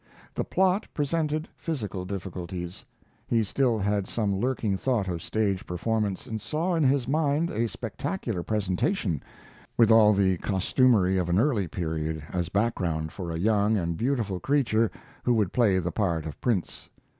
] The plot presented physical difficulties. He still had some lurking thought of stage performance, and saw in his mind a spectacular presentation, with all the costumery of an early period as background for a young and beautiful creature who would play the part of prince.